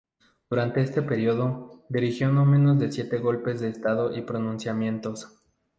Durante este periodo dirigió no menos de siete golpes de estado y pronunciamientos.